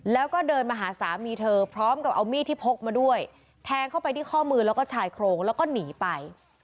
แล้วก็เดินมาหาสามีเธอพร้อมกับเอามีดที่พกมาด้วยแทงเข้าไปที่ข้อมือแล้วก็ชายโครงแล้วก็หนีไป